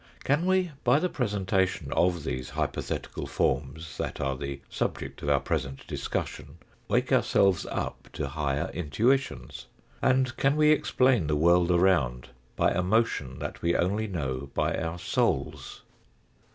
Can we by the presentation of these hypothetical forms, that are the subject of our present discussion, wake ourselves up to higher intuitions ? And can we explain the world around by a motion that we only know by our souls